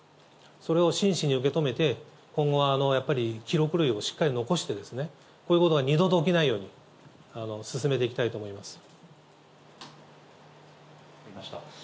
それを真摯に受け止めて、今後はやっぱり記録類をしっかり残して、こういうことが二度と起きないように進めて分かりました。